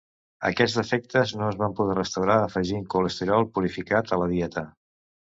Aquests defectes no es van poder restaurar afegint colesterol purificat a la dieta.